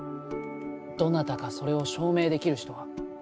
どなたかそれを証明できる人は？